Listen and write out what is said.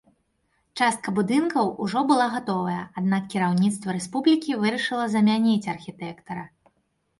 Частка будынкаў ужо была гатовая, аднак кіраўніцтва рэспублікі вырашыла замяніць архітэктара.